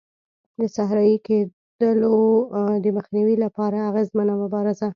د صحرایې کېدلو د مخنیوي لپاره اغېزمنه مبارزه.